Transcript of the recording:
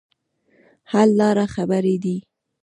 حل لاره خبرې دي.